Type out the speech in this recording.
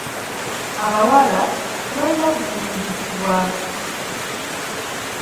Abawala tebalina kufumbizibwa